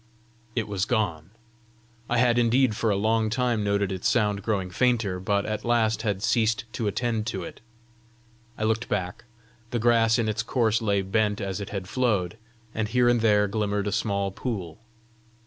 It was gone. I had indeed for a long time noted its sound growing fainter, but at last had ceased to attend to it. I looked back: the grass in its course lay bent as it had flowed, and here and there glimmered a small pool.